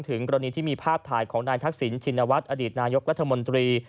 กรณีที่มีภาพถ่ายของนายทักษิณชินวัฒน์อดีตนายกรัฐมนตรี